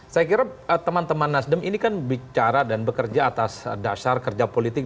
saya kira teman teman nasdem ini kan bicara dan bekerja atas dasar kerja politik